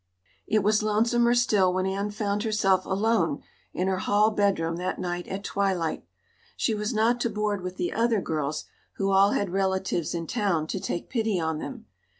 It was lonesomer still when Anne found herself alone in her hall bedroom that night at twilight. She was not to board with the other girls, who all had relatives in town to take pity on them.